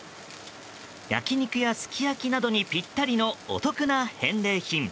焼き肉やすき焼きなどにぴったりのお得な返礼品。